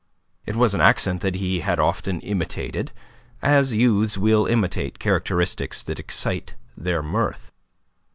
It was an accent that he had often imitated, as youths will imitate characteristics that excite their mirth.